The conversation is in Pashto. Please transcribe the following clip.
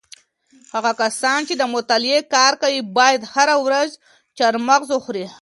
هغه کسان چې د مطالعې کار کوي باید هره ورځ چهارمغز وخوري.